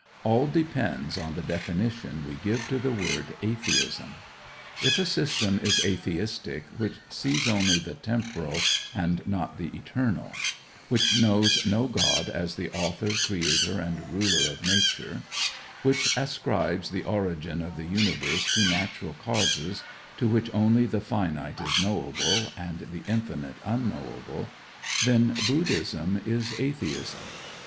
All depends on the definition we give to the word "atheism." If a system is atheistic which sees only the temporal, and not the eternal; which knows no God as the author, creator, and ruler of Nature; which ascribes the origin of the universe to natural causes, to which only the finite is knowable, and the infinite unknowable then Buddhism is atheism.